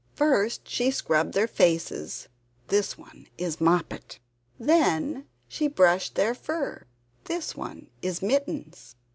First she scrubbed their faces (this one is Moppet). Then she brushed their fur (this one is Mittens).